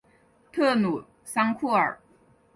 特鲁桑库尔。